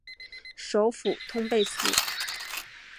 首府通贝斯。